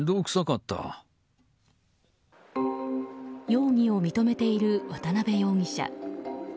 容疑を認めている渡辺容疑者。